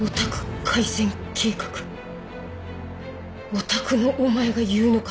ヲタクのお前が言うのか！？